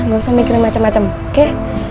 gak usah mikirin macem macem oke